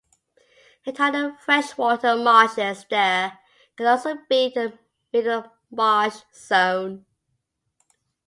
In tidal freshwater marshes there can also be a middle marsh zone.